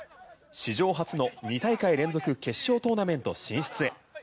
史上初の２大会連続決勝トーナメント進出へ。